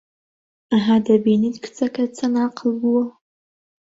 ئەها، دەبینیت کچەکەت چەند ئاقڵ بووە